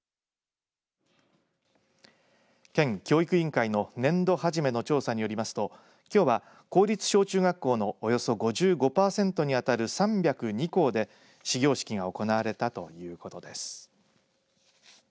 県教育委員会の年度初めの調査によりますときょうは公立小中学校のおよそ５５パーセントに当たる３０２校で始業式が行われたということです。